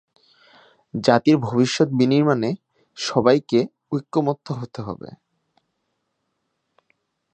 জাতির ভবিষ্যৎ বিনির্মাণে সবাইকে ঐকমত্য হতে হবে।